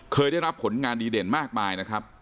เคยได้รับผลงานดีเด่นมากมายนะครับ